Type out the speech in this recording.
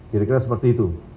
kira kira seperti itu